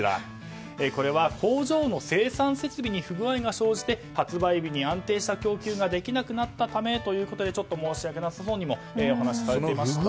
これは工場の生産設備に不具合が生じて発売日に安定した供給ができなくなったためとちょっと申し訳なさそうにもお話されていました。